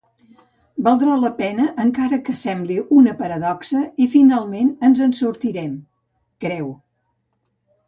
“Valdrà la pena, encara que sembli una paradoxa, i finalment ens en sortirem”, creu.